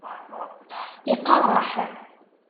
Iqeṛṛeḥ!